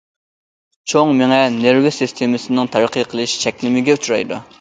چوڭ مېڭە، نېرۋا سىستېمىسىنىڭ تەرەققىي قىلىشى چەكلىمىگە ئۇچرايدۇ.